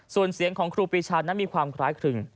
ส่วนเสียงของครูปีชานั้นมีความคล้ายครึง